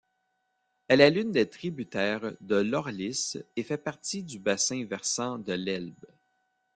Elle est l'une des tributaires de l'Orlice et fait partie du bassin-versant de l'Elbe.